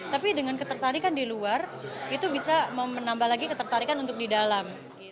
tapi dengan ketertarikan di luar itu bisa menambah lagi ketertarikan untuk di dalam